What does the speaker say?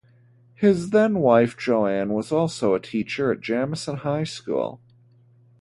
His then wife Joanne was also a teacher at Jamison High School.